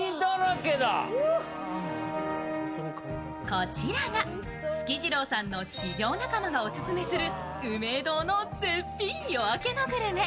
こちらがつきじろうさんの市場仲間がオススメするうめぇ堂の絶品「夜明けのグルメ」